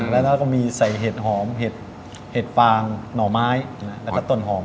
แล้วก็มีใส่เห็ดหอมเห็ดเห็ดฟางหน่อไม้แล้วก็ต้นหอม